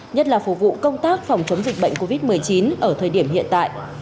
nhất là phục vụ công tác phòng chống dịch bệnh covid một mươi chín ở thời điểm hiện tại